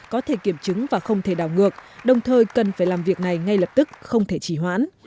có thể kiểm chứng và không thể đảo ngược đồng thời cần phải làm việc này ngay lập tức không thể chỉ hoãn